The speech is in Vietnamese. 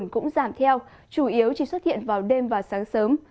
chủ yếu chỉ xuất hiện vào đêm và sáng sớm